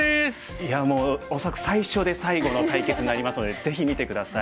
いやもう恐らく最初で最後の対決になりますのでぜひ見て下さい。